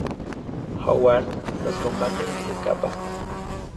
Howard los combate y se escapa.